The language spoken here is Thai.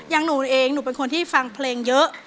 อย่างหนูเองหนูเป็นคนที่ฟังเพลงเยอะ